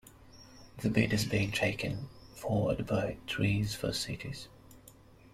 The bid is being taken forward by Trees for Cities.